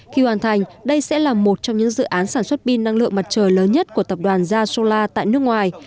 khi hoàn thành đây sẽ là một trong những dự án sản xuất pin năng lượng mặt trời lớn nhất của tập đoàn arsola tại nước ngoài